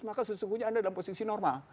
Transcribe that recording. maka sesungguhnya anda dalam posisi normal